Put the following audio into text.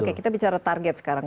oke kita bicara target sekarang